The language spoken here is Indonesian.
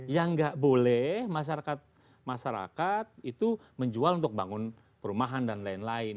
yang nggak boleh masyarakat itu menjual untuk bangun perumahan dan lain lain